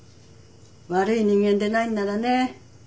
悪い人間でないんならね。